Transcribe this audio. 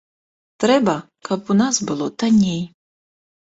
Трэба, каб у нас было танней.